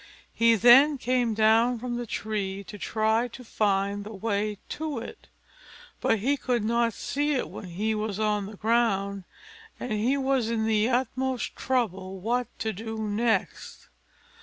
He then came down from the tree, to try to find the way to it; but he could not see it when he was on the ground, and he was in the utmost trouble what to do next.